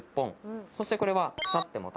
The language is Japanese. そしてこれは。